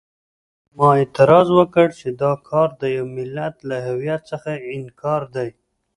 ما اعتراض وکړ چې دا کار د یوه ملت له هویت څخه انکار دی.